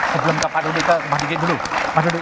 sebelum pak dodi ke pak suryadi dulu